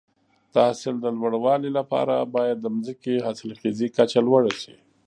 د حاصل د لوړوالي لپاره باید د ځمکې حاصلخیزي کچه لوړه شي.